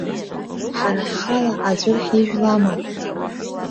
Ҳара ҳхала аӡәыр ҳижәлама?